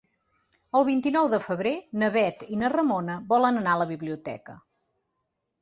El vint-i-nou de febrer na Bet i na Ramona volen anar a la biblioteca.